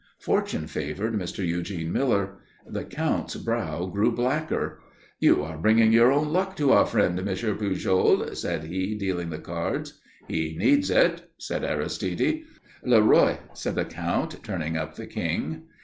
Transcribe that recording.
Fortune favored Mr. Eugene Miller. The Count's brow grew blacker. "You are bringing your own luck to our friend, Monsieur Pujol," said he, dealing the cards. "He needs it," said Aristide. "Le roi," said the Count, turning up the king.